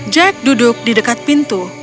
jack duduk di dekat pintu